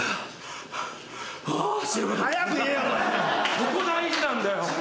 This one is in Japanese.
ここ大事なんだよ。